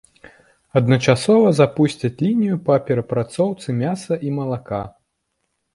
Адначасова запусцяць лінію па перапрацоўцы мяса і малака.